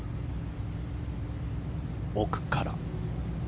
奥から。